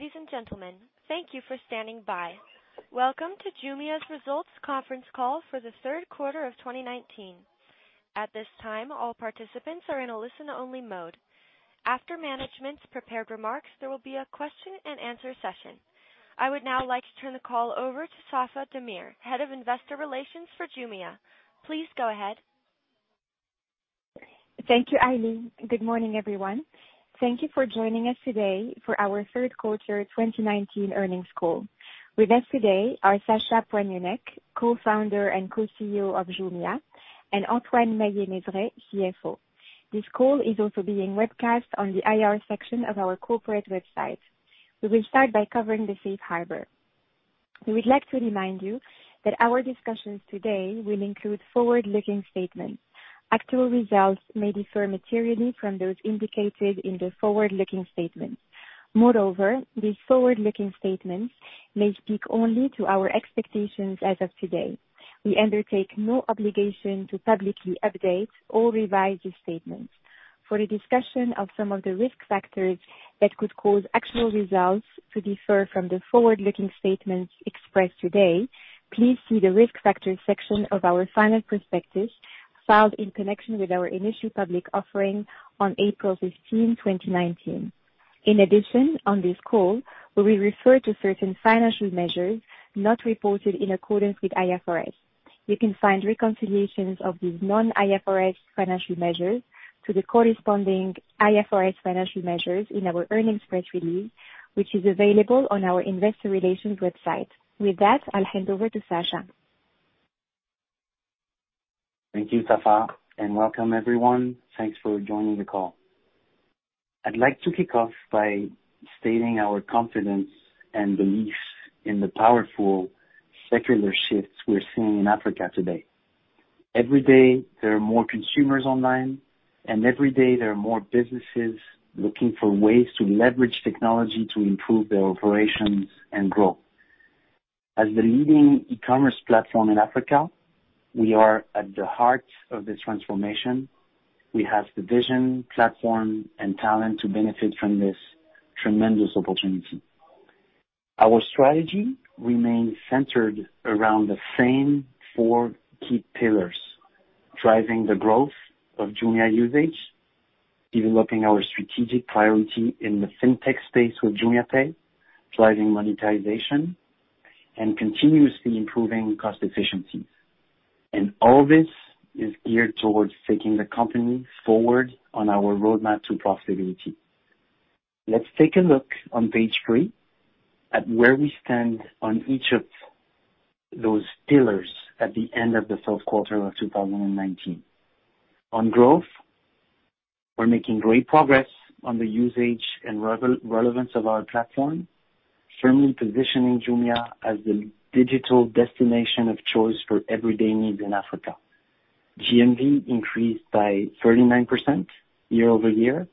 Good morning, ladies and gentlemen. Thank you for standing by. Welcome to Jumia's results conference call for the third quarter of 2019. At this time, all participants are in a listen only mode. After management's prepared remarks, there will be a question and answer session. I would now like to turn the call over to Safae Damir, Head of Investor Relations for Jumia. Please go ahead. Thank you, Aileen. Good morning, everyone. Thank you for joining us today for our third quarter 2019 earnings call. With us today are Sacha Poignonnec, Co-Founder and Co-CEO of Jumia, and Antoine Maillet-Mezeray, CFO. This call is also being webcast on the IR section of our corporate website. We will start by covering the Safe Harbor. We would like to remind you that our discussions today will include forward-looking statements. Actual results may differ materially from those indicated in the forward-looking statements. Moreover, these forward-looking statements may speak only to our expectations as of today. We undertake no obligation to publicly update or revise these statements. For a discussion of some of the Risk Factors that could cause actual results to differ from the forward-looking statements expressed today, please see the Risk Factors section of our final prospectus filed in connection with our initial public offering on April 15, 2019. In addition, on this call, we refer to certain financial measures not reported in accordance with IFRS. You can find reconciliations of these non-IFRS financial measures to the corresponding IFRS financial measures in our earnings press release, which is available on our investor relations website. With that, I'll hand over to Sacha. Thank you, Safae. Welcome everyone. Thanks for joining the call. I'd like to kick off by stating our confidence and belief in the powerful secular shifts we're seeing in Africa today. Every day, there are more consumers online. Every day there are more businesses looking for ways to leverage technology to improve their operations and growth. As the leading e-commerce platform in Africa, we are at the heart of this transformation. We have the vision, platform, and talent to benefit from this tremendous opportunity. Our strategy remains centered around the same four key pillars: driving the growth of Jumia usage, developing our strategic priority in the fintech space with JumiaPay, driving monetization, and continuously improving cost efficiencies. All this is geared towards taking the company forward on our roadmap to profitability. Let's take a look on page three at where we stand on each of those pillars at the end of the third quarter of 2019. On growth, we're making great progress on the usage and relevance of our platform, firmly positioning Jumia as the digital destination of choice for everyday needs in Africa. GMV increased by 39% year-over-year,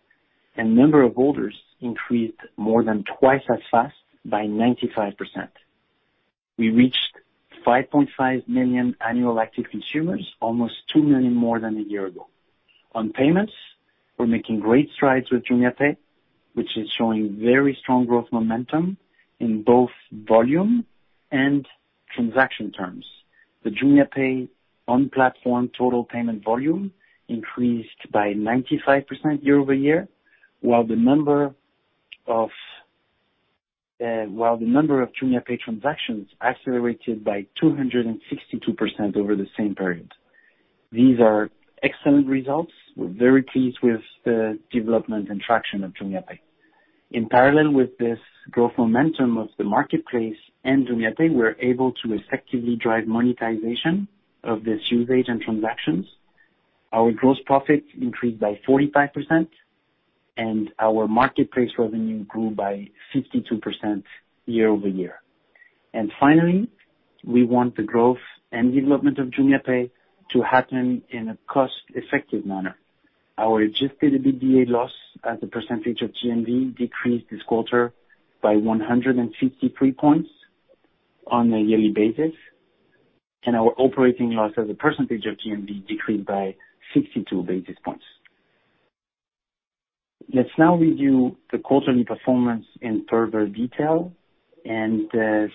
and number of orders increased more than twice as fast by 95%. We reached 5.5 million annual active consumers, almost two million more than a year ago. On payments, we're making great strides with JumiaPay, which is showing very strong growth momentum in both volume and transaction terms. The JumiaPay on-platform total payment volume increased by 95% year-over-year, while the number of JumiaPay transactions accelerated by 262% over the same period. These are excellent results. We're very pleased with the development and traction of JumiaPay. In parallel with this growth momentum of the marketplace and JumiaPay, we're able to effectively drive monetization of this usage and transactions. Our gross profit increased by 45%, our marketplace revenue grew by 52% year-over-year. Finally, we want the growth and development of JumiaPay to happen in a cost-effective manner. Our adjusted EBITDA loss as a percentage of GMV decreased this quarter by 153 points on a yearly basis, our operating loss as a percentage of GMV decreased by 62 basis points. Let's now review the quarterly performance in further detail,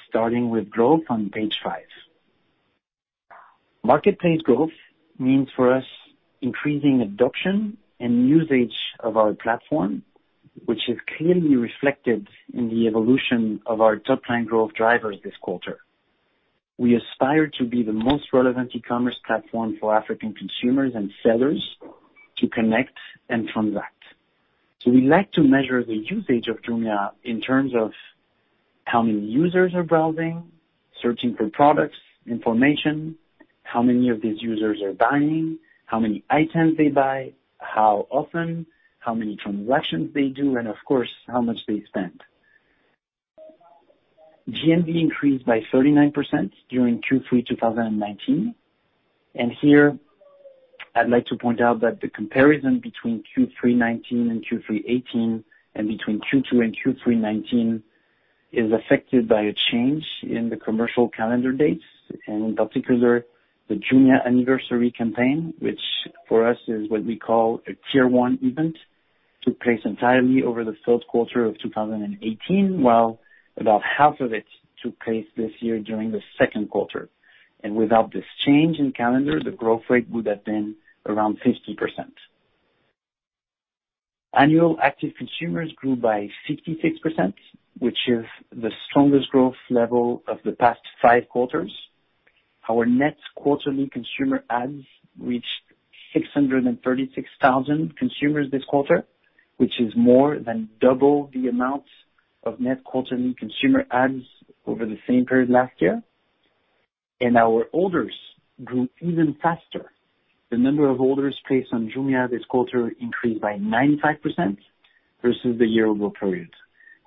starting with growth on page five. Marketplace growth means for us increasing adoption and usage of our platform, which is clearly reflected in the evolution of our top-line growth drivers this quarter. We aspire to be the most relevant e-commerce platform for African consumers and sellers to connect and transact. We like to measure the usage of Jumia in terms of how many users are browsing, searching for products, information, how many of these users are buying, how many items they buy, how often, how many transactions they do, and of course, how much they spend. GMV increased by 39% during Q3 2019. Here I'd like to point out that the comparison between Q3 2019 and Q3 2018, and between Q2 and Q3 2019 is affected by a change in the commercial calendar dates and in particular, the Jumia Anniversary campaign, which for us is what we call a Tier 1 event, took place entirely over the third quarter of 2018, while about half of it took place this year during the second quarter. Without this change in calendar, the growth rate would have been around 50%. Annual active consumers grew by 66%, which is the strongest growth level of the past five quarters. Our net quarterly consumer adds reached 636,000 consumers this quarter, which is more than double the amount of net quarterly consumer adds over the same period last year. Our orders grew even faster. The number of orders placed on Jumia this quarter increased by 95% versus the year-over-period.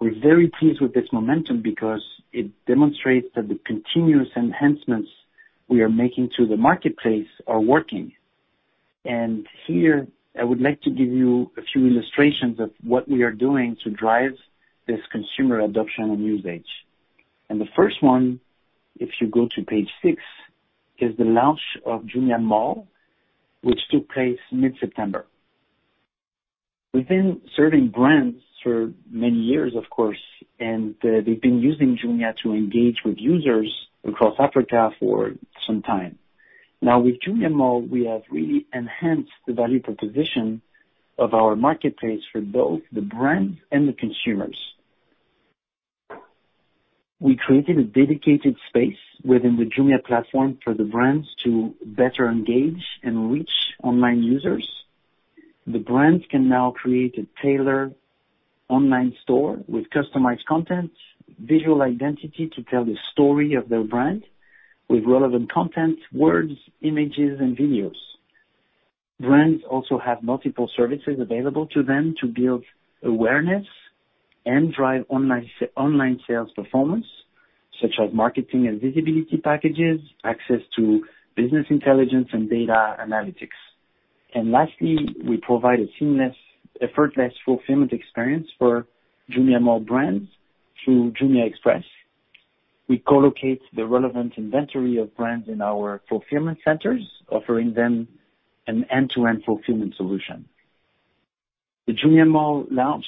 We're very pleased with this momentum because it demonstrates that the continuous enhancements we are making to the marketplace are working. Here I would like to give you a few illustrations of what we are doing to drive this consumer adoption and usage. The first one, if you go to page six, is the launch of Jumia Mall, which took place mid-September. We've been serving brands for many years, of course, and, they've been using Jumia to engage with users across Africa for some time. Now with Jumia Mall, we have really enhanced the value proposition of our marketplace for both the brands and the consumers. We created a dedicated space within the Jumia platform for the brands to better engage and reach online users. The brands can now create a tailored online store with customized content, visual identity to tell the story of their brand with relevant content, words, images, and videos. Brands also have multiple services available to them to build awareness and drive online sales performance, such as marketing and visibility packages, access to business intelligence and data analytics. Lastly, we provide a seamless, effortless fulfillment experience for Jumia Mall brands through Jumia Express. We co-locate the relevant inventory of brands in our fulfillment centers, offering them an end-to-end fulfillment solution. The Jumia Mall launch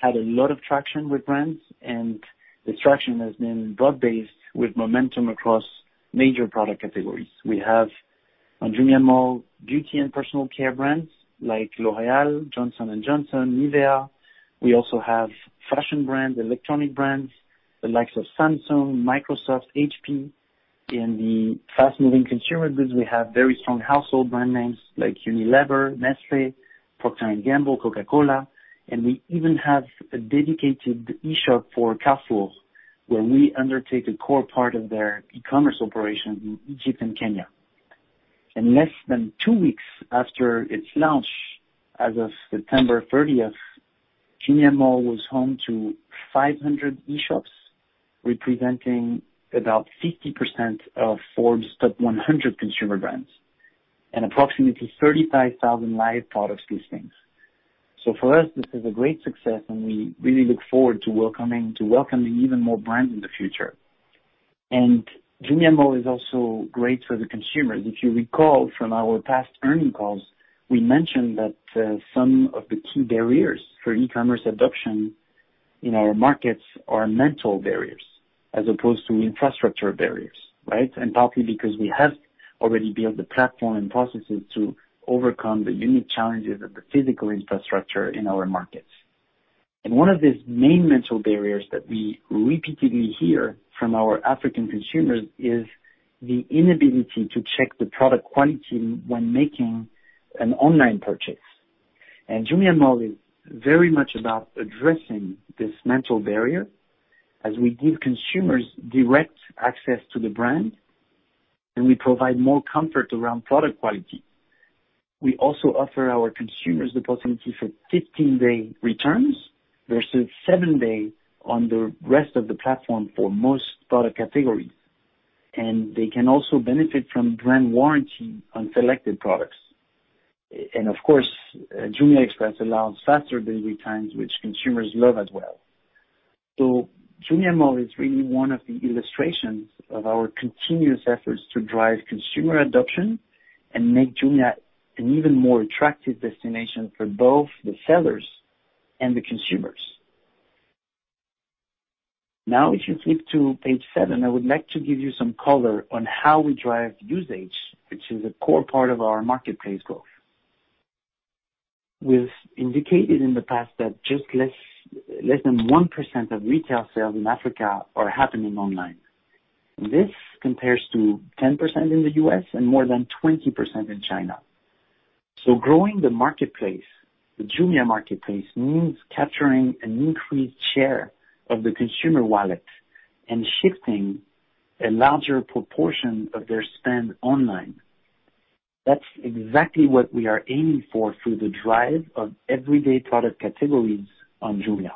had a lot of traction with brands, and this traction has been broad-based with momentum across major product categories. We have on Jumia Mall beauty and personal care brands like L'Oréal, Johnson & Johnson, NIVEA. We also have fashion brands, electronic brands, the likes of Samsung, Microsoft, HP. In the fast-moving consumer goods, we have very strong household brand names like Unilever, Nestlé, Procter & Gamble, Coca-Cola, and we even have a dedicated e-shop for Carrefour, where we undertake a core part of their e-commerce operation in Egypt and Kenya. In less than two weeks after its launch, as of September 30th, Jumia Mall was home to 500 e-shops, representing about 50% of Forbes top 100 consumer brands and approximately 35,000 live product listings. For us, this is a great success, and we really look forward to welcoming even more brands in the future. Jumia Mall is also great for the consumers. If you recall from our past earning calls, we mentioned that some of the key barriers for e-commerce adoption in our markets are mental barriers as opposed to infrastructure barriers, right? Partly because we have already built the platform and processes to overcome the unique challenges of the physical infrastructure in our markets. One of these main mental barriers that we repeatedly hear from our African consumers is the inability to check the product quality when making an online purchase. Jumia Mall is very much about addressing this mental barrier as we give consumers direct access to the brand, and we provide more comfort around product quality. We also offer our consumers the possibility for 15-day returns versus seven-day on the rest of the platform for most product categories. They can also benefit from brand warranty on selected products. Of course, Jumia Express allows faster delivery times, which consumers love as well. Jumia Mall is really one of the illustrations of our continuous efforts to drive consumer adoption and make Jumia an even more attractive destination for both the sellers and the consumers. If you flip to page seven, I would like to give you some color on how we drive usage, which is a core part of our marketplace growth. We've indicated in the past that just less than 1% of retail sales in Africa are happening online. This compares to 10% in the U.S. and more than 20% in China. Growing the marketplace, the Jumia marketplace, means capturing an increased share of the consumer wallet and shifting a larger proportion of their spend online. That's exactly what we are aiming for through the drive of everyday product categories on Jumia.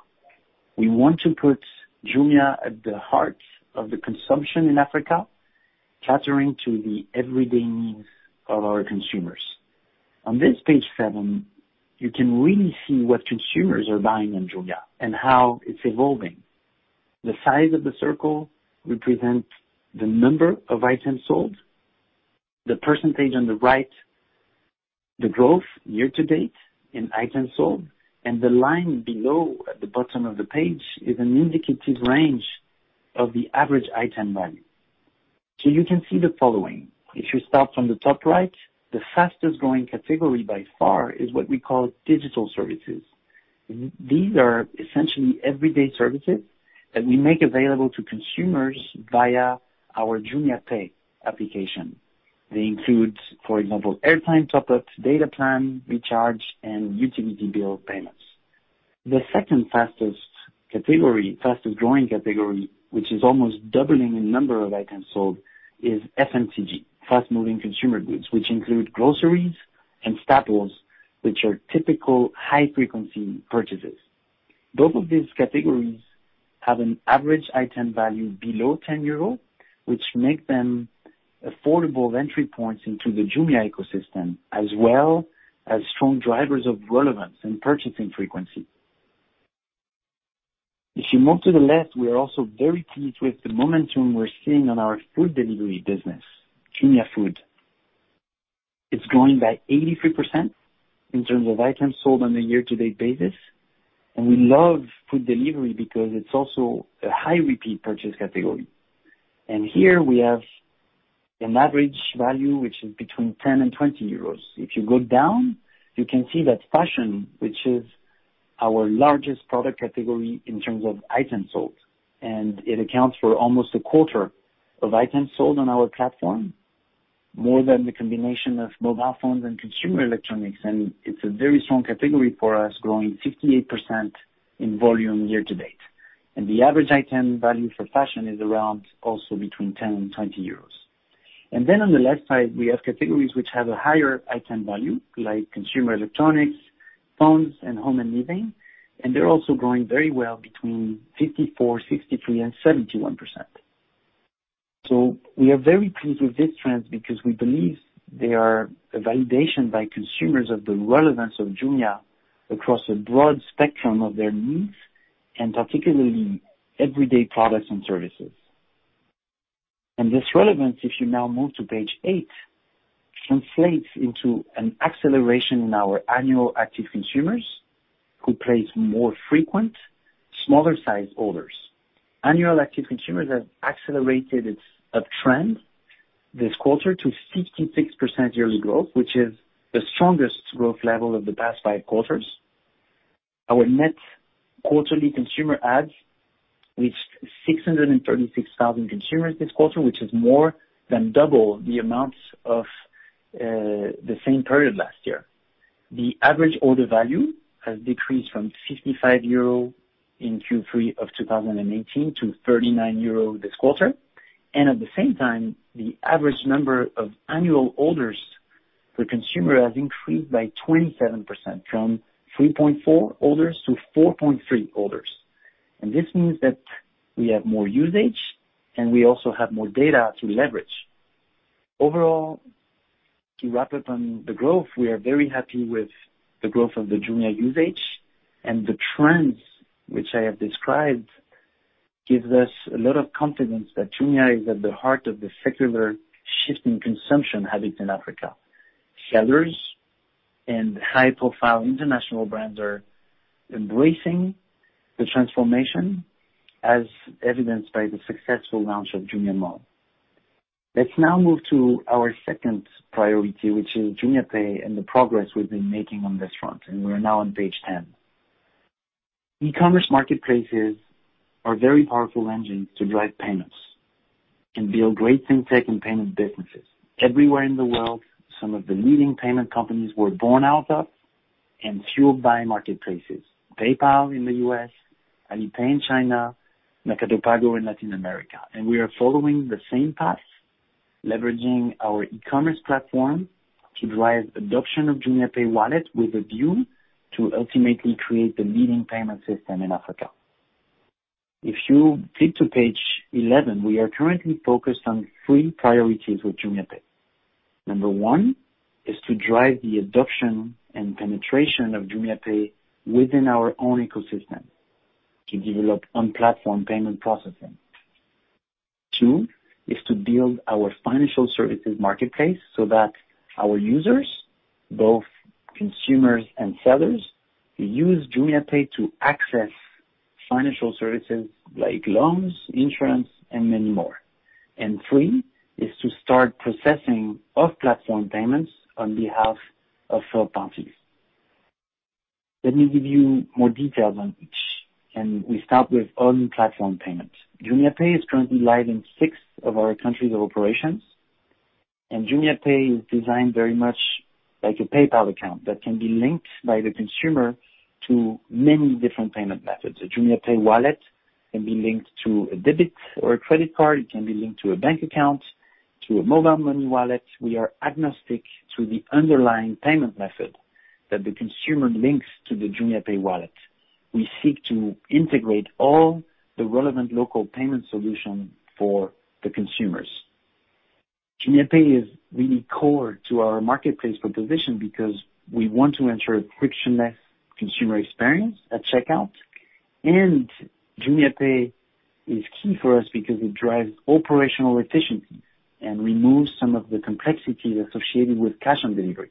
We want to put Jumia at the heart of the consumption in Africa, catering to the everyday needs of our consumers. On this page seven, you can really see what consumers are buying on Jumia and how it's evolving. The size of the circle represents the number of items sold, the percentage on the right, the growth year to date in items sold, and the line below at the bottom of the page is an indicative range of the average item value. You can see the following. If you start from the top right, the fastest-growing category by far is what we call digital services. These are essentially everyday services that we make available to consumers via our JumiaPay application. They include, for example, airtime top-up, data plan recharge, and utility bill payments. The second fastest growing category, which is almost doubling in number of items sold, is FMCG, fast-moving consumer goods, which include groceries and staples, which are typical high-frequency purchases. Both of these categories have an average item value below 10 euro, which make them affordable entry points into the Jumia ecosystem, as well as strong drivers of relevance and purchasing frequency. If you move to the left, we are also very pleased with the momentum we're seeing on our food delivery business, Jumia Food. It's growing by 83% in terms of items sold on a year-to-date basis. We love food delivery because it's also a high repeat purchase category. Here we have an average value, which is between 10 and 20 euros. If you go down, you can see that fashion, which is our largest product category in terms of items sold, it accounts for almost a quarter of items sold on our platform, more than the combination of mobile phones and consumer electronics. It's a very strong category for us, growing 68% in volume year-to-date. The average item value for fashion is around also between 10 and 20 euros. On the left side, we have categories which have a higher item value, like consumer electronics, phones, and home and living, they're also growing very well between 54%, 63% and 71%. We are very pleased with this trend because we believe they are a validation by consumers of the relevance of Jumia across a broad spectrum of their needs, and particularly everyday products and services. This relevance, if you now move to page eight, translates into an acceleration in our annual active consumers who place more frequent, smaller size orders. Annual active consumers have accelerated its uptrend this quarter to 56% yearly growth, which is the strongest growth level of the past five quarters. Our net quarterly consumer adds reached 36,000 consumers this quarter, which is more than double the amount of the same period last year. The average order value has decreased from 55 euro in Q3 of 2018 to 39 euro this quarter. At the same time, the average number of annual orders per consumer has increased by 27%, from 3.4 orders to 4.3 orders. This means that we have more usage, and we also have more data to leverage. Overall, to wrap up on the growth, we are very happy with the growth of the Jumia usage, and the trends which I have described gives us a lot of confidence that Jumia is at the heart of the secular shift in consumption habits in Africa. Sellers and high-profile international brands are embracing the transformation, as evidenced by the successful launch of Jumia Mall. Let's now move to our second priority, which is JumiaPay and the progress we've been making on this front, and we're now on page 10. E-commerce marketplaces are very powerful engines to drive payments and build great FinTech and payment businesses. Everywhere in the world, some of the leading payment companies were born out of and fueled by marketplaces, PayPal in the U.S., Alipay in China, Mercado Pago in Latin America. We are following the same path, leveraging our e-commerce platform to drive adoption of JumiaPay wallet with a view to ultimately create the leading payment system in Africa. If you flip to page 11, we are currently focused on three priorities with JumiaPay. Number one is to drive the adoption and penetration of JumiaPay within our own ecosystem to develop on-platform payment processing. Two is to build our financial services marketplace so that our users, both consumers and sellers, use JumiaPay to access financial services like loans, insurance, and many more. Three is to start processing off-platform payments on behalf of third parties. Let me give you more details on each, and we start with on-platform payment. JumiaPay is currently live in six of our countries of operations. JumiaPay is designed very much like a PayPal account that can be linked by the consumer to many different payment methods. A JumiaPay wallet can be linked to a debit or a credit card. It can be linked to a bank account, to a mobile money wallet. We are agnostic to the underlying payment method that the consumer links to the JumiaPay wallet. We seek to integrate all the relevant local payment solution for the consumers. JumiaPay is really core to our marketplace proposition because we want to ensure frictionless consumer experience at checkout. JumiaPay is key for us because it drives operational efficiency and removes some of the complexities associated with cash on delivery.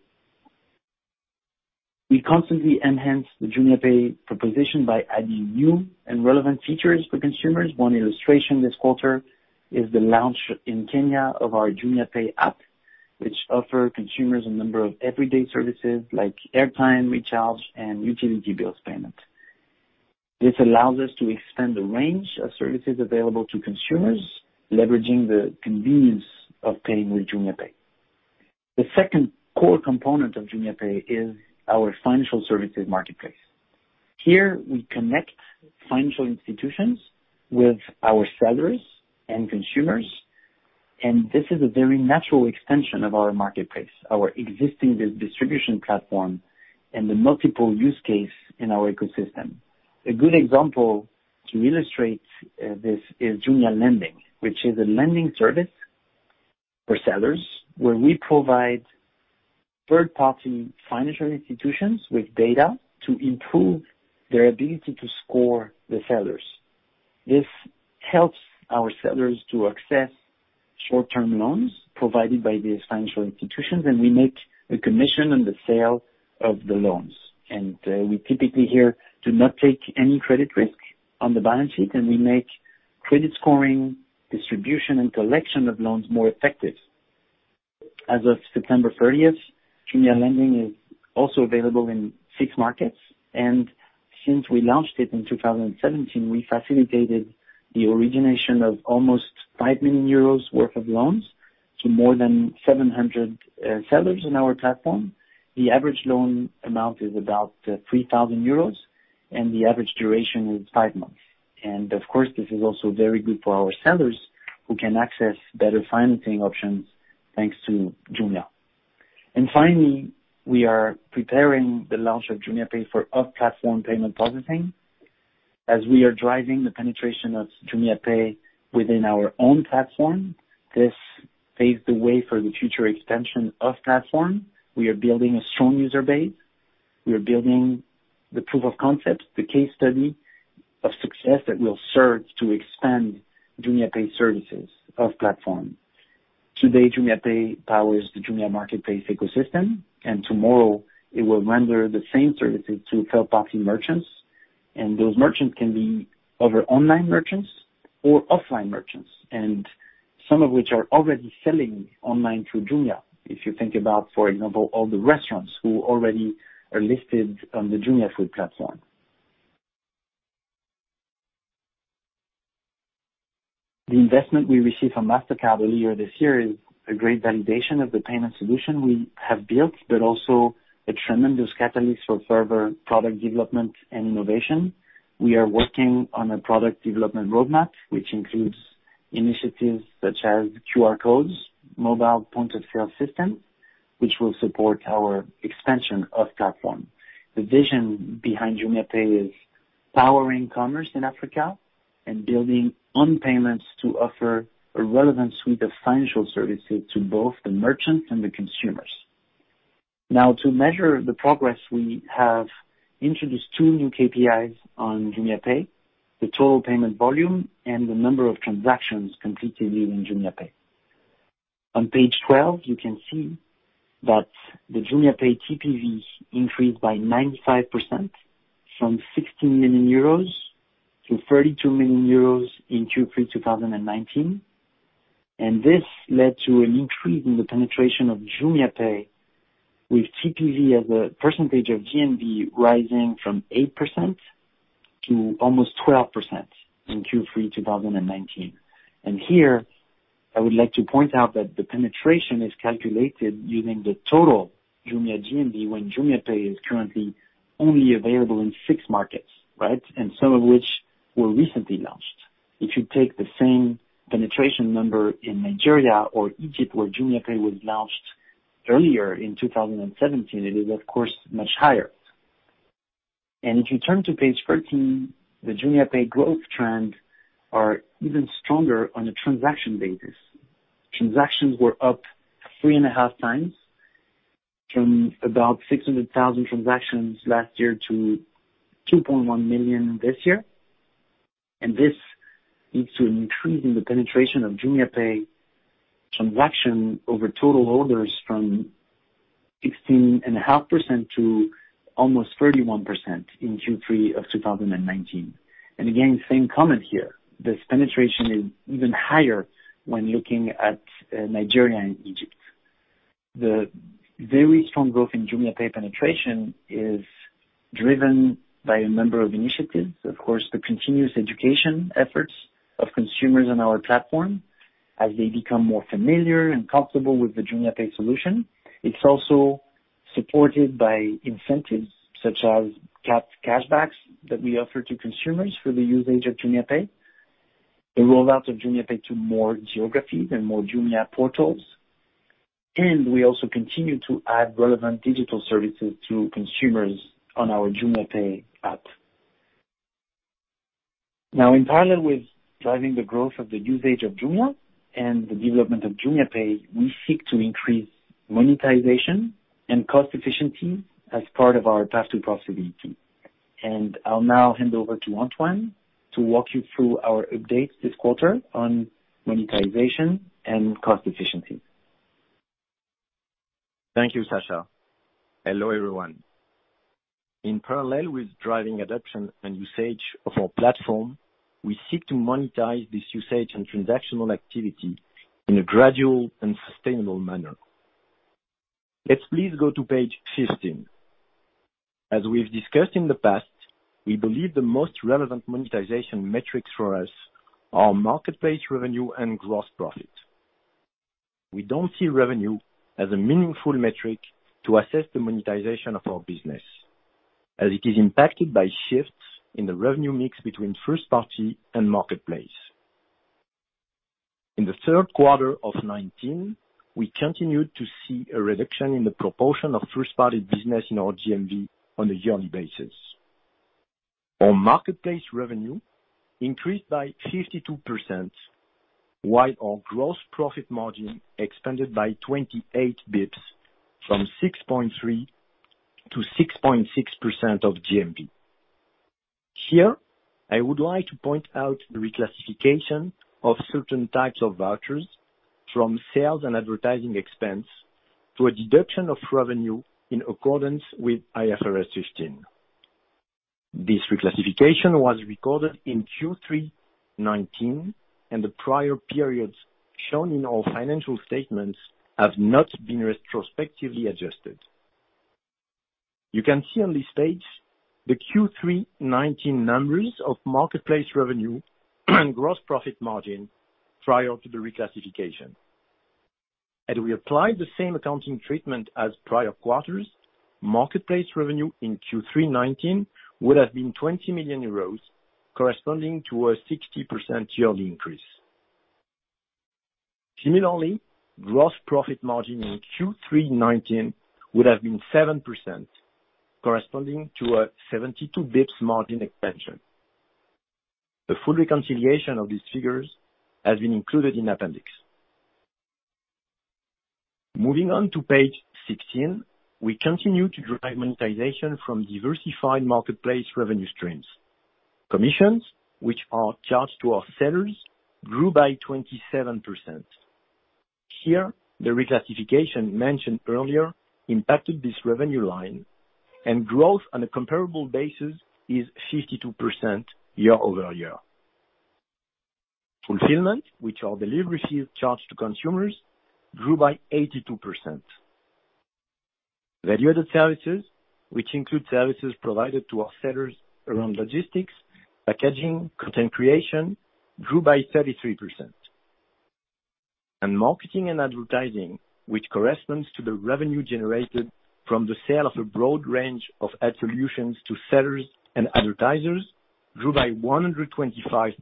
We constantly enhance the JumiaPay proposition by adding new and relevant features for consumers. One illustration this quarter is the launch in Kenya of our JumiaPay app, which offer consumers a number of everyday services like airtime recharge and utility bills payment. This allows us to expand the range of services available to consumers, leveraging the convenience of paying with JumiaPay. The second core component of JumiaPay is our financial services marketplace. Here we connect financial institutions with our sellers and consumers, and this is a very natural extension of our marketplace, our existing distribution platform, and the multiple use case in our ecosystem. A good example to illustrate this is Jumia Lending, which is a lending service for sellers, where we provide third-party financial institutions with data to improve their ability to score the sellers. This helps our sellers to access short-term loans provided by these financial institutions, and we make a commission on the sale of the loans. We typically here do not take any credit risk on the balance sheet, and we make credit scoring, distribution, and collection of loans more effective. As of September 30th, Jumia Lending is also available in six markets, and since we launched it in 2017, we facilitated the origination of almost 5 million euros worth of loans to more than 700 sellers in our platform. The average loan amount is about 3,000 euros, and the average duration is five months. Of course, this is also very good for our sellers, who can access better financing options thanks to Jumia. Finally, we are preparing the launch of JumiaPay for off-platform payment processing. As we are driving the penetration of JumiaPay within our own platform, this paves the way for the future expansion off-platform. We are building a strong user base. We are building the proof of concept, the case study of success that will serve to expand JumiaPay services off-platform. Today, JumiaPay powers the Jumia marketplace ecosystem, and tomorrow it will render the same services to third-party merchants, and those merchants can be other online merchants or offline merchants, and some of which are already selling online through Jumia. If you think about, for example, all the restaurants who already are listed on the Jumia Food platform. The investment we received from Mastercard earlier this year is a great validation of the payment solution we have built, but also a tremendous catalyst for further product development and innovation. We are working on a product development roadmap, which includes initiatives such as QR codes, mobile point-of-sale system, which will support our expansion off-platform. The vision behind JumiaPay is powering commerce in Africa and building on payments to offer a relevant suite of financial services to both the merchants and the consumers. To measure the progress, we have introduced two new KPIs on JumiaPay, the total payment volume and the number of transactions completed using JumiaPay. On page 12, you can see that the JumiaPay TPV increased by 95%, from 16 million euros to 32 million euros in Q3 2019, this led to an increase in the penetration of JumiaPay, with TPV as a percentage of GMV rising from 8% to almost 12% in Q3 2019. Here, I would like to point out that the penetration is calculated using the total Jumia GMV, when JumiaPay is currently only available in six markets, right, some of which were recently launched. If you take the same penetration number in Nigeria or Egypt, where JumiaPay was launched earlier in 2017, it is of course much higher. If you turn to page 13, the JumiaPay growth trends are even stronger on a transaction basis. Transactions were up 3.5x From about 600,000 transactions last year to 2.1 million this year. This leads to an increase in the penetration of JumiaPay transaction over total orders from 16.5% to almost 31% in Q3 of 2019. Again, same comment here. This penetration is even higher when looking at Nigeria and Egypt. The very strong growth in JumiaPay penetration is driven by a number of initiatives, of course, the continuous education efforts of consumers on our platform as they become more familiar and comfortable with the JumiaPay solution. It's also supported by incentives such as cashbacks that we offer to consumers for the usage of JumiaPay, the rollout of JumiaPay to more geographies and more Jumia portals. We also continue to add relevant digital services to consumers on our JumiaPay app. Now, in parallel with driving the growth of the usage of Jumia and the development of JumiaPay, we seek to increase monetization and cost efficiency as part of our path to profitability. I'll now hand over to Antoine to walk you through our updates this quarter on monetization and cost efficiency. Thank you, Sacha. Hello, everyone. In parallel with driving adoption and usage of our platform, we seek to monetize this usage and transactional activity in a gradual and sustainable manner. Let's please go to page 15. As we've discussed in the past, we believe the most relevant monetization metrics for us are marketplace revenue and gross profit. We don't see revenue as a meaningful metric to assess the monetization of our business, as it is impacted by shifts in the revenue mix between first party and marketplace. In the third quarter of 2019, we continued to see a reduction in the proportion of first-party business in our GMV on a yearly basis. Our marketplace revenue increased by 52%, while our gross profit margin expanded by 28 bps from 6.3% to 6.6% of GMV. Here, I would like to point out the reclassification of certain types of vouchers from sales and advertising expense to a deduction of revenue in accordance with IFRS 15. This reclassification was recorded in Q3 2019, and the prior periods shown in our financial statements have not been retrospectively adjusted. You can see on this page the Q3 2019 numbers of marketplace revenue and gross profit margin prior to the reclassification. Had we applied the same accounting treatment as prior quarters, marketplace revenue in Q3 2019 would have been 20 million euros, corresponding to a 60% yearly increase. Similarly, gross profit margin in Q3 2019 would have been 7%, corresponding to a 72 bps margin expansion. The full reconciliation of these figures has been included in appendix. Moving on to page 16, we continue to drive monetization from diversified marketplace revenue streams. Commissions, which are charged to our sellers, grew by 27%. Here, the reclassification mentioned earlier impacted this revenue line, and growth on a comparable basis is 52% year-over-year. Fulfillment, which are delivery fees charged to consumers, grew by 82%. Value-added services, which include services provided to our sellers around logistics, packaging, content creation, grew by 33%. Marketing and advertising, which corresponds to the revenue generated from the sale of a broad range of ad solutions to sellers and advertisers, grew by 125%.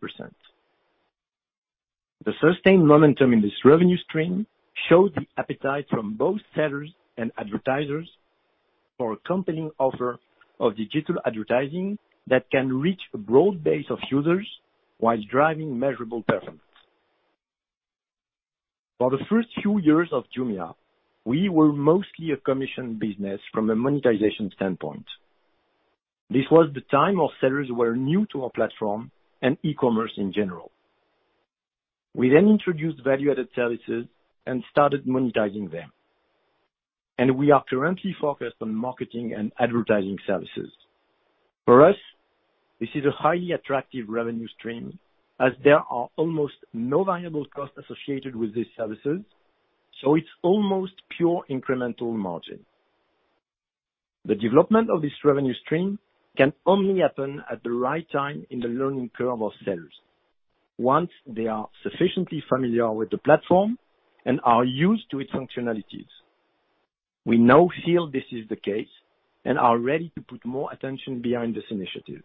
The sustained momentum in this revenue stream showed the appetite from both sellers and advertisers for a compelling offer of digital advertising that can reach a broad base of users while driving measurable performance. For the first few years of Jumia, we were mostly a commission business from a monetization standpoint. This was the time our sellers were new to our platform and e-commerce in general. We introduced value-added services and started monetizing them, and we are currently focused on marketing and advertising services. For us, this is a highly attractive revenue stream as there are almost no variable costs associated with these services, so it's almost pure incremental margin. The development of this revenue stream can only happen at the right time in the learning curve of sellers, once they are sufficiently familiar with the platform and are used to its functionalities. We now feel this is the case and are ready to put more attention behind this initiative.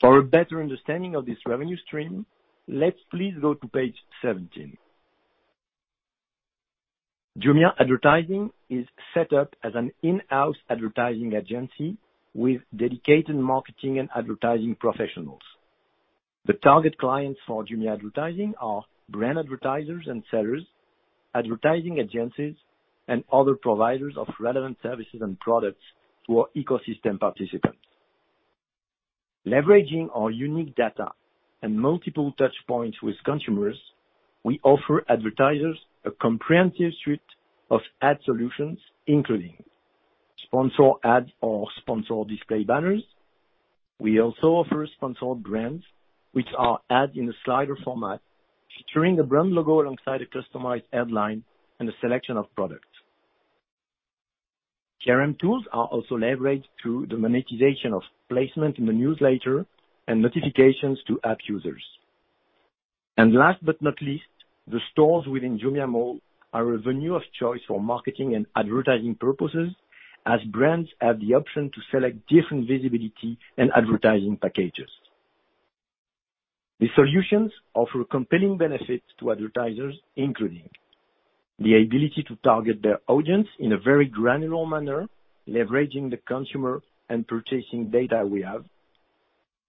For a better understanding of this revenue stream, let's please go to page 17. Jumia Advertising is set up as an in-house advertising agency with dedicated marketing and advertising professionals. The target clients for Jumia Advertising are brand advertisers and sellers, advertising agencies, and other providers of relevant services and products to our ecosystem participants. Leveraging our unique data and multiple touch points with consumers, we offer advertisers a comprehensive suite of ad solutions, including sponsored ads or sponsored display banners. We also offer sponsored brands, which are ads in a slider format featuring a brand logo alongside a customized headline and a selection of products. CRM tools are also leveraged through the monetization of placement in the newsletter and notifications to app users. Last but not least, the stores within Jumia Mall are a venue of choice for marketing and advertising purposes, as brands have the option to select different visibility and advertising packages. The solutions offer compelling benefits to advertisers, including the ability to target their audience in a very granular manner, leveraging the consumer and purchasing data we have.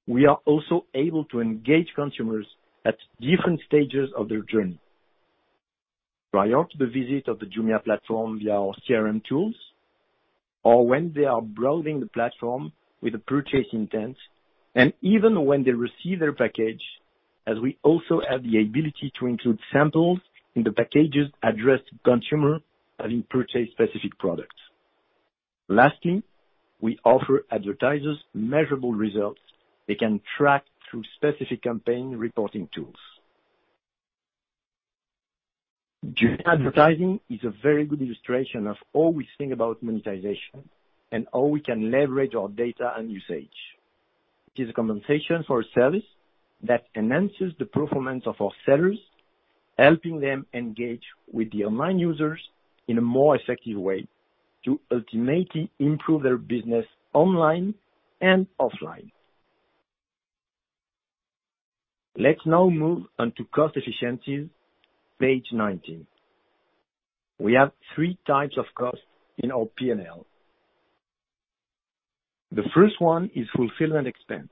We are also able to engage consumers at different stages of their journey. Prior to the visit of the Jumia platform, via our CRM tools, or when they are browsing the platform with a purchase intent, and even when they receive their package, as we also have the ability to include samples in the packages addressed to consumer, having purchased specific products. Lastly, we offer advertisers measurable results they can track through specific campaign reporting tools. Jumia Advertising is a very good illustration of how we think about monetization and how we can leverage our data and usage. It is a compensation for a service that enhances the performance of our sellers, helping them engage with the online users in a more effective way to ultimately improve their business online and offline. Let's now move on to cost efficiencies, page 19. We have three types of costs in our P&L. The first one is fulfillment expense.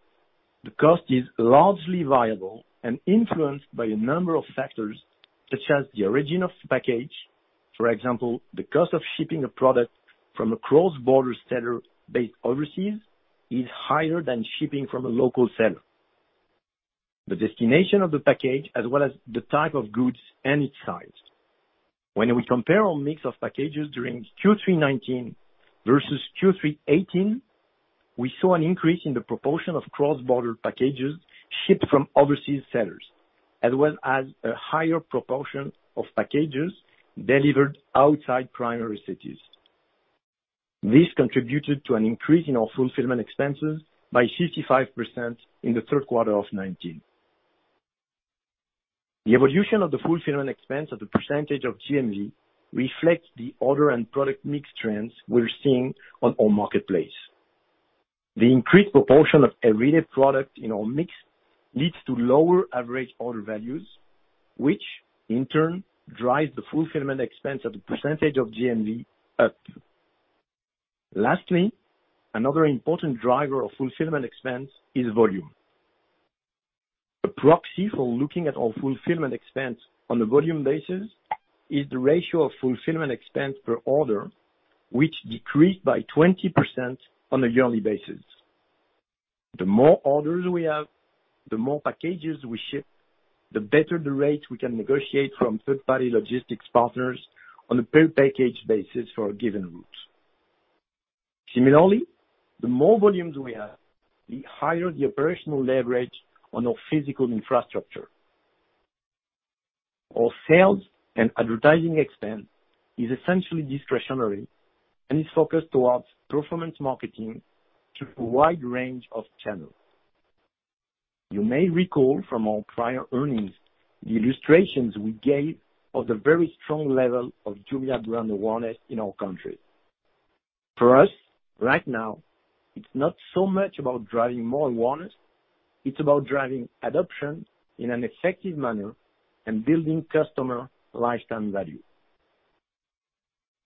The cost is largely variable and influenced by a number of factors such as the origin of the package. For example, the cost of shipping a product from a cross-border seller based overseas is higher than shipping from a local seller. The destination of the package, as well as the type of goods and its size. When we compare our mix of packages during Q3 2019 versus Q3 2018, we saw an increase in the proportion of cross-border packages shipped from overseas sellers, as well as a higher proportion of packages delivered outside primary cities. This contributed to an increase in our fulfillment expenses by 65% in the third quarter of 2019. The evolution of the fulfillment expense as a percentage of GMV reflects the order and product mix trends we're seeing on our marketplace. The increased proportion of everyday products in our mix leads to lower average order values, which in turn drives the fulfillment expense as a percentage of GMV up. Lastly, another important driver of fulfillment expense is volume. A proxy for looking at our fulfillment expense on a volume basis is the ratio of fulfillment expense per order, which decreased by 20% on a yearly basis. The more orders we have, the more packages we ship, the better the rate we can negotiate from third-party logistics partners on a per-package basis for a given route. Similarly, the more volumes we have, the higher the operational leverage on our physical infrastructure. Our sales and advertising expense is essentially discretionary and is focused towards performance marketing through a wide range of channels. You may recall from our prior earnings the illustrations we gave of the very strong level of Jumia brand awareness in our countries. For us, right now, it's not so much about driving more awareness. It's about driving adoption in an effective manner and building customer lifetime value.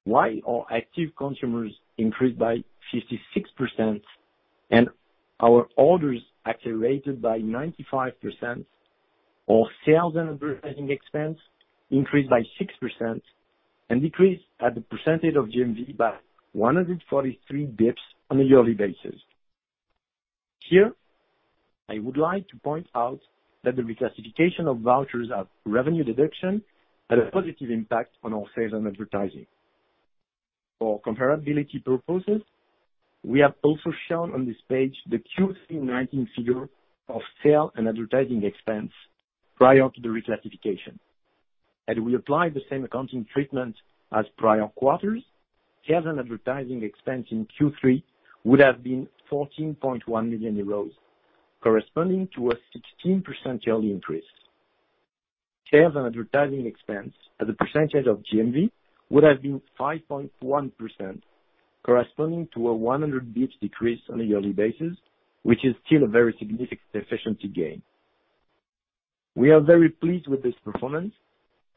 Why our active consumers increased by 56% and our orders accelerated by 95%, our sales and advertising expense increased by 6% and decreased as a percentage of GMV by 143 bps on a yearly basis? Here, I would like to point out that the reclassification of vouchers as revenue deduction had a positive impact on our sales and advertising. For comparability purposes, we have also shown on this page the Q3 2019 figure of sales and advertising expense prior to the reclassification. Had we applied the same accounting treatment as prior quarters, sales and advertising expense in Q3 would have been 14.1 million euros, corresponding to a 16% yearly increase. Sales and advertising expense as a percentage of GMV would have been 5.1%, corresponding to a 100 bps decrease on a yearly basis, which is still a very significant efficiency gain. We are very pleased with this performance.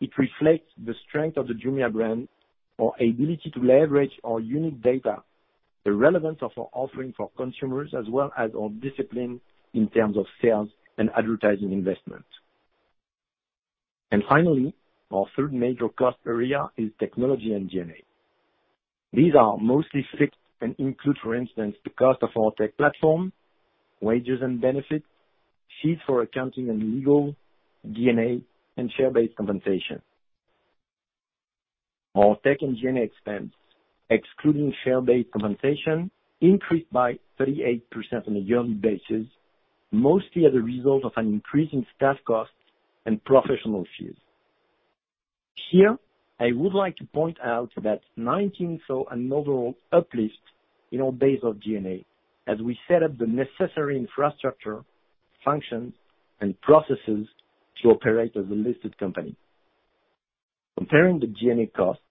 It reflects the strength of the Jumia brand, our ability to leverage our unique data, the relevance of our offering for consumers, as well as our discipline in terms of sales and advertising investment. Finally, our third major cost area is technology and G&A. These are mostly fixed and include, for instance, the cost of our tech platform, wages and benefits, fees for accounting and legal, G&A, and share-based compensation. Our tech and G&A expense, excluding share-based compensation, increased by 38% on a yearly basis, mostly as a result of an increase in staff costs and professional fees. Here, I would like to point out that 2019 saw an overall uplift in our base of G&A as we set up the necessary infrastructure, functions, and processes to operate as a listed company. Comparing the G&A costs,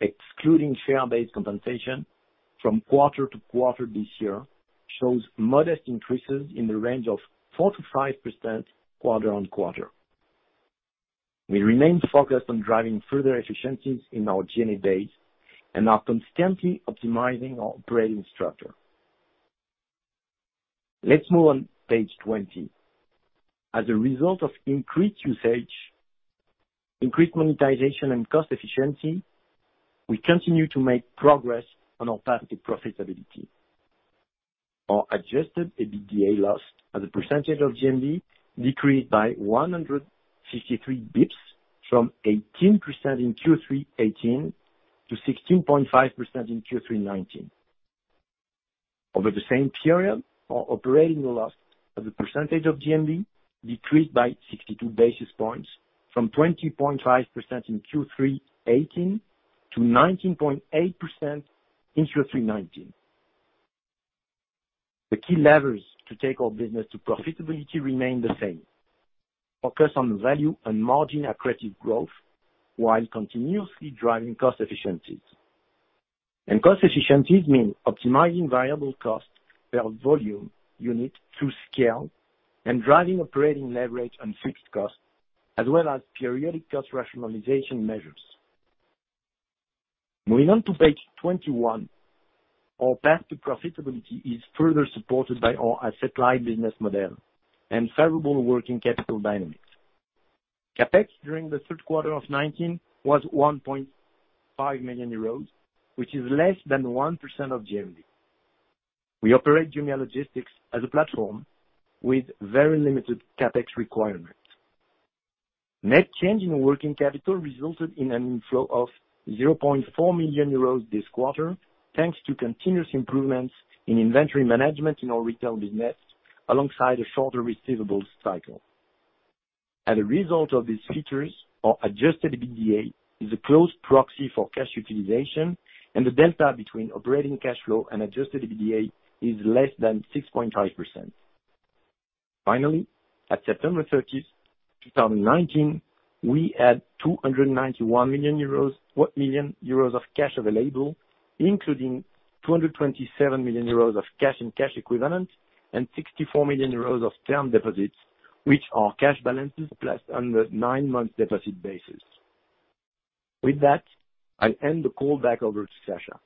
excluding share-based compensation from quarter to quarter this year shows modest increases in the range of 4%-5% quarter-on-quarter. We remain focused on driving further efficiencies in our G&A base and are constantly optimizing our operating structure. Let's move on, page 20. As a result of increased usage, increased monetization, and cost efficiency, we continue to make progress on our path to profitability. Our adjusted EBITDA loss as a percentage of GMV decreased by 163 bps from 18% in Q3 2018 to 16.5% in Q3 2019. Over the same period, our operating loss as a percentage of GMV decreased by 62 basis points from 20.5% in Q3 2018 to 19.8% in Q3 2019. The key levers to take our business to profitability remain the same: focus on value and margin-accretive growth while continuously driving cost efficiencies. Cost efficiencies mean optimizing variable cost per volume unit through scale and driving operating leverage on fixed costs, as well as periodic cost rationalization measures. Moving on to page 21, our path to profitability is further supported by our asset-light business model and favorable working capital dynamics. CapEx during the third quarter of 2019 was 1.5 million euros, which is less than 1% of GMV. We operate Jumia Logistics as a platform with very limited CapEx requirements. Net change in working capital resulted in an inflow of 0.4 million euros this quarter, thanks to continuous improvements in inventory management in our retail business, alongside a shorter receivables cycle. As a result of these features, our adjusted EBITDA is a close proxy for cash utilization, and the delta between operating cash flow and adjusted EBITDA is less than 6.5%. Finally, at September 30, 2019, we had 291 million euros of cash available, including 227 million euros of cash and cash equivalents and 64 million euros of term deposits, which are cash balances placed under nine-month deposit basis. With that, I end the call back over to Sacha.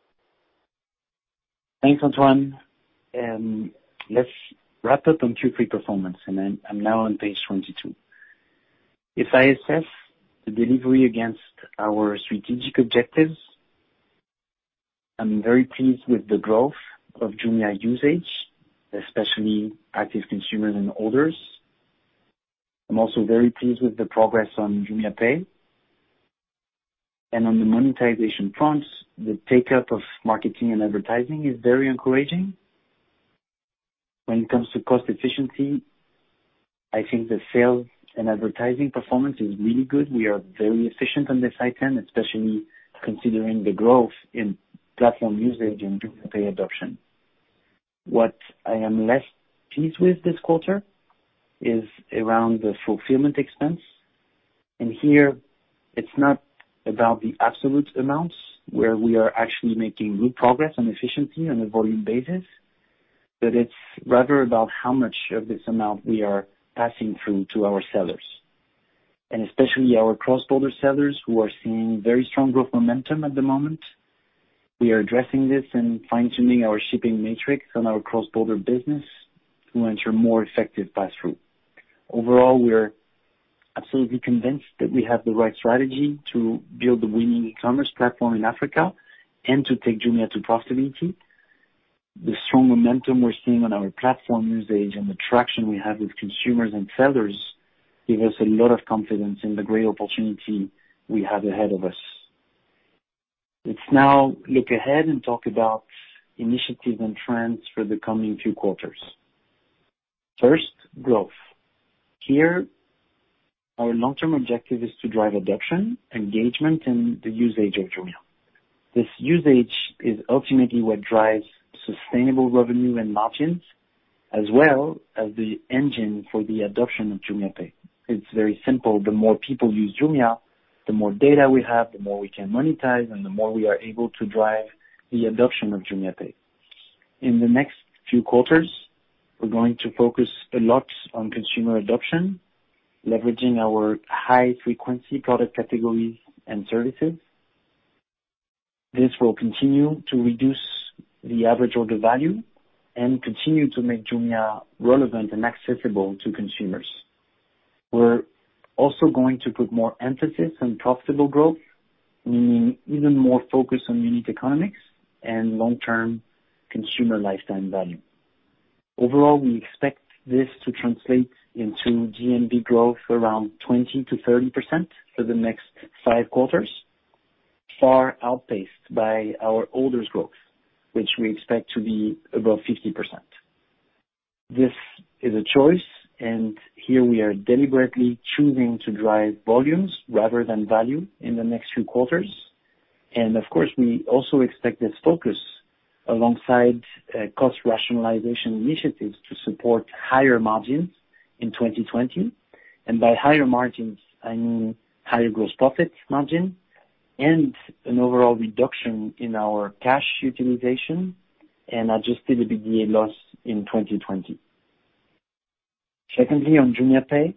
Thanks, Antoine. Let's wrap up on Q3 performance, and I'm now on page 22. If I assess the delivery against our strategic objectives, I'm very pleased with the growth of Jumia usage, especially active consumers and orders. I'm also very pleased with the progress on JumiaPay. On the monetization front, the take-up of marketing and advertising is very encouraging. When it comes to cost efficiency, I think the sales and advertising performance is really good. We are very efficient on this item, especially considering the growth in platform usage and JumiaPay adoption. What I am less pleased with this quarter is around the fulfillment expense, and here it's not about the absolute amounts where we are actually making good progress on efficiency on a volume basis, but it's rather about how much of this amount we are passing through to our sellers. Especially our cross-border sellers who are seeing very strong growth momentum at the moment. We are addressing this and fine-tuning our shipping matrix on our cross-border business to ensure more effective passthrough. Overall, we are absolutely convinced that we have the right strategy to build the winning e-commerce platform in Africa and to take Jumia to profitability. The strong momentum we're seeing on our platform usage and the traction we have with consumers and sellers give us a lot of confidence in the great opportunity we have ahead of us. Let's now look ahead and talk about initiatives and trends for the coming few quarters. First, growth. Here, our long-term objective is to drive adoption, engagement, and the usage of Jumia. This usage is ultimately what drives sustainable revenue and margins, as well as the engine for the adoption of JumiaPay. It's very simple. The more people use Jumia, the more data we have, the more we can monetize, and the more we are able to drive the adoption of JumiaPay. In the next few quarters, we're going to focus a lot on consumer adoption, leveraging our high-frequency product categories and services. This will continue to reduce the average order value and continue to make Jumia relevant and accessible to consumers. We're also going to put more emphasis on profitable growth, meaning even more focus on unit economics and long-term consumer lifetime value. Overall, we expect this to translate into GMV growth around 20%-30% for the next five quarters, far outpaced by our orders growth, which we expect to be above 50%. This is a choice. Here we are deliberately choosing to drive volumes rather than value in the next few quarters. Of course, we also expect this focus alongside cost rationalization initiatives to support higher margins in 2020. By higher margins, I mean higher gross profit margin and an overall reduction in our cash utilization and adjusted EBITDA loss in 2020. Secondly on JumiaPay,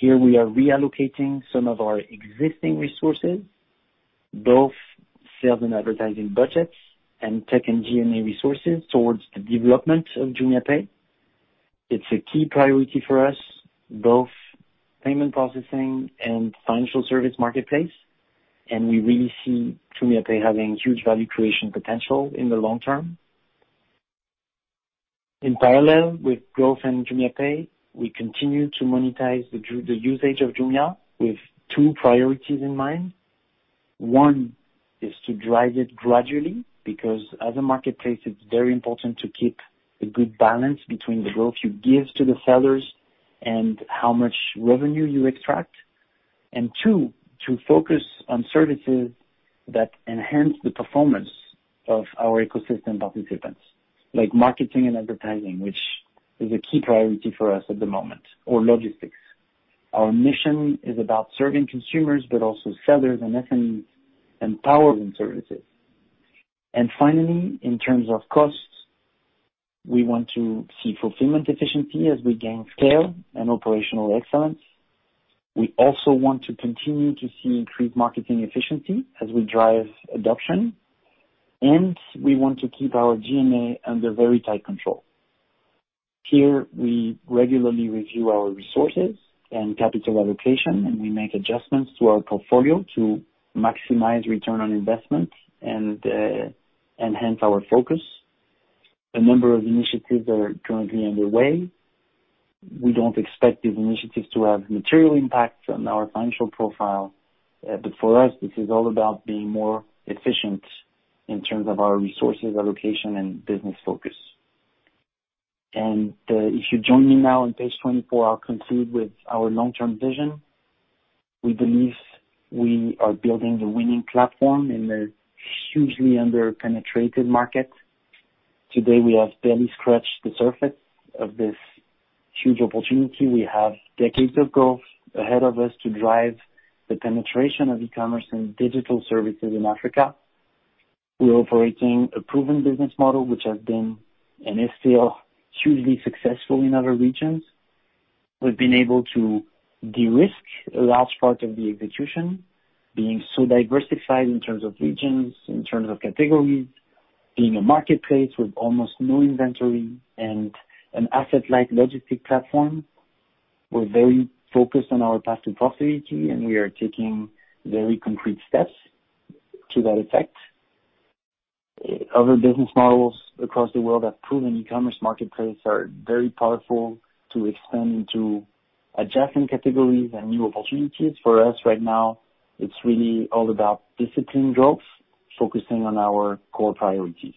here we are reallocating some of our existing resources, both sales and advertising budgets and tech and G&A resources towards the development of JumiaPay. It's a key priority for us, both payment processing and financial service marketplace. We really see JumiaPay having huge value creation potential in the long term. In parallel with growth in JumiaPay, we continue to monetize the usage of Jumia with two priorities in mind. One is to drive it gradually, because as a marketplace, it's very important to keep a good balance between the growth you give to the sellers and how much revenue you extract. Two, to focus on services that enhance the performance of our ecosystem participants, like marketing and advertising, which is a key priority for us at the moment, or logistics. Our mission is about serving consumers, but also sellers, and that's in empowering services. Finally, in terms of costs, we want to see fulfillment efficiency as we gain scale and operational excellence. We also want to continue to see increased marketing efficiency as we drive adoption, and we want to keep our G&A under very tight control. Here, we regularly review our resources and capital allocation, and we make adjustments to our portfolio to maximize return on investment and enhance our focus. A number of initiatives are currently underway. We don't expect these initiatives to have material impacts on our financial profile. For us, this is all about being more efficient in terms of our resources, allocation, and business focus. If you join me now on page 24, I'll conclude with our long-term vision. We believe we are building the winning platform in a hugely under-penetrated market. Today, we have barely scratched the surface of this huge opportunity. We have decades of growth ahead of us to drive the penetration of e-commerce and digital services in Africa. We're operating a proven business model which has been, and is still, hugely successful in other regions. We've been able to de-risk a large part of the execution, being so diversified in terms of regions, in terms of categories, being a marketplace with almost no inventory, and an asset-light logistic platform. We're very focused on our path to profitability, and we are taking very concrete steps to that effect. Other business models across the world have proven e-commerce marketplace are very powerful to expand into adjacent categories and new opportunities. For us right now, it's really all about disciplined growth, focusing on our core priorities.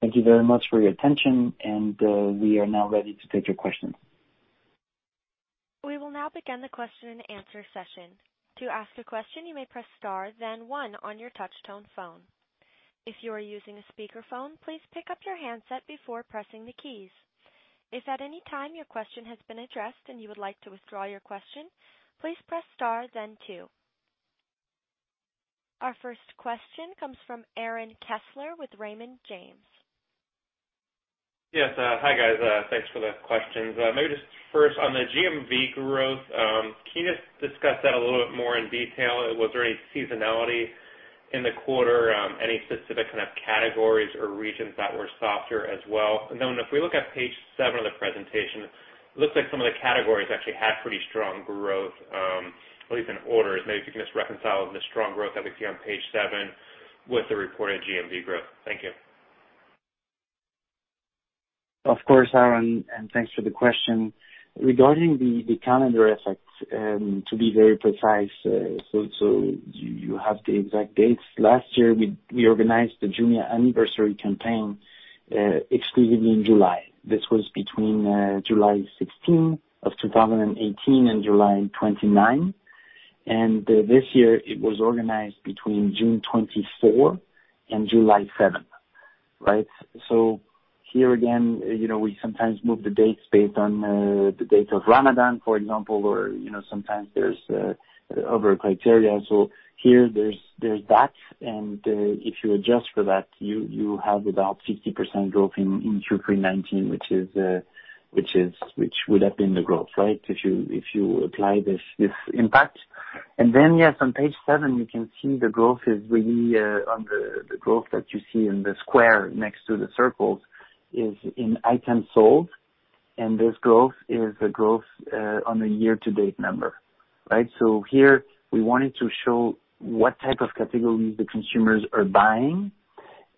Thank you very much for your attention, and we are now ready to take your questions. We will now begin the question and answer session. To ask a question, you may press star then one on your touch tone phone. If you are using a speakerphone, please pick up your handset before pressing the keys. If at any time your question has been addressed and you would like to withdraw your question, please press star then two. Our first question comes from Aaron Kessler with Raymond James. Yes. Hi, guys. Thanks for the questions. Just first on the GMV growth, can you just discuss that a little bit more in detail? Was there any seasonality in the quarter? Any specific kind of categories or regions that were softer as well? If we look at page seven of the presentation, it looks like some of the categories actually had pretty strong growth, or even orders. If you can just reconcile the strong growth that we see on page seven with the reported GMV growth. Thank you. Of course, Aaron, and thanks for the question. Regarding the calendar effect, to be very precise, so you have the exact dates. Last year, we organized the Jumia Anniversary campaign exclusively in July. This was between July 16 of 2018 and July 29. This year it was organized between June 24 and July 7th, right? Here again, we sometimes move the dates based on the date of Ramadan, for example, or sometimes there's other criteria. Here there's that, and if you adjust for that, you have about 50% growth in Q3 2019, which would have been the growth, right? If you apply this impact. Then, yes, on page seven, you can see the growth is really on the growth that you see in the square next to the circles is in items sold, and this growth is a growth on a year-to-date number, right? Here we wanted to show what type of categories the consumers are buying